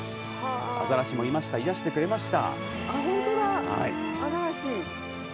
あざらしもいました癒やしてくれました。